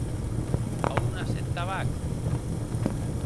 A on as eth tabac?